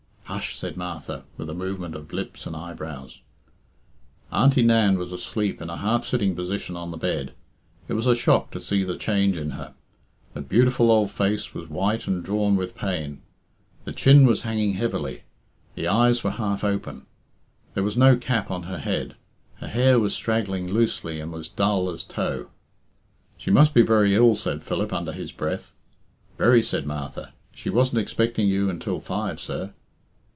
"Hush!" said Martha, with a movement of lips and eyebrows. Auntie Nan was asleep in a half sitting position on the bed. It was a shock to see the change in her. The beautiful old face was white and drawn with pain; the chin was hanging heavily; the eyes were half open; there was no cap on her head; her hair was straggling loosely and was dull as tow. "She must be very ill," said Philip under his breath. "Very," said Martha. "She wasn't expecting you until five, sir."